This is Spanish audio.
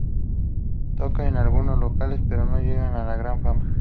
Tocan en algunos locales pero no llegan a la gran fama.